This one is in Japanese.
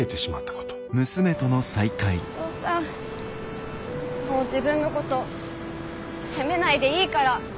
お父さんもう自分のこと責めないでいいから。